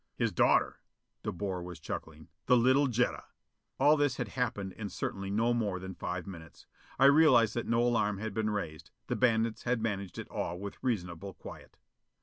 "His daughter." De Boer was chuckling. "The little Jetta." All this had happened in certainly no more than five minutes. I realized that no alarm had been raised: the bandits had managed it all with reasonable quiet.